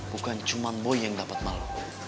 bukan cuma boy yang dapat malu